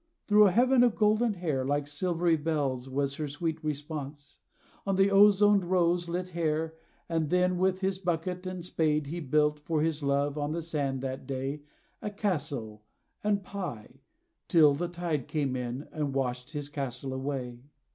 Thro' a heaven of golden hair, Like silvery bells, was her sweet response, On the ozoned rose lit air, And then with his bucket, and spade, he built For his love, on the sand, that day, A castle, and pie, till the tide came in, And washed his castle away.